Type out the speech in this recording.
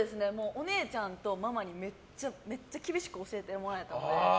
お姉ちゃんとママにめっちゃ厳しく教えてもらえたんで。